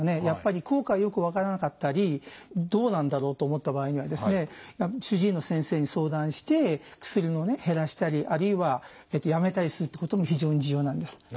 やっぱり効果がよく分からなかったりどうなんだろうと思った場合にはですね主治医の先生に相談して薬をね減らしたりあるいはやめたりするっていうことも非常に重要なんです。